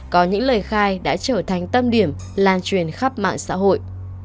có những lời khai đã trở thành tâm điểm lan truyền khắp mạng xã hội